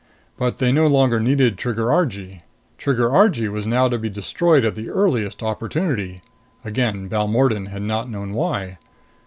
But they no longer needed Trigger Argee. Trigger Argee was now to be destroyed at the earliest opportunity. Again Balmordan had not known why.